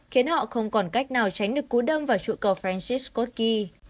khiến họ không còn cách nào tránh được cú đâm vào trụ cầu francis scott key